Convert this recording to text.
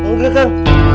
queda dengan kebebasan